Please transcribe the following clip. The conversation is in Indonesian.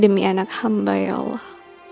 demi anak hamba ya allah